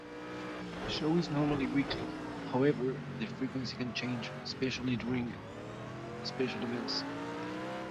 The show is normally weekly, however, the frequency can change, especially during special events.